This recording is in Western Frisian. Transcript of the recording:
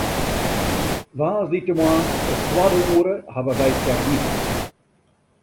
Woansdeitemoarns it twadde oere hawwe wy technyk.